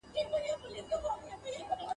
اور چي مي پر سیوري بلوي رقیب !.